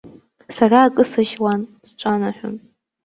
Сара акы сашьуан, сҿанаҳәон.